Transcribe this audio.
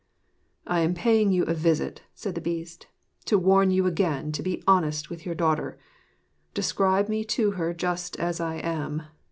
'I am paying you a visit,' said the Beast, 'to warn you again to be honest with your daughter. Describe me to her just as I am.